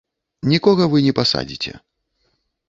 Нікога вы не пасадзіце.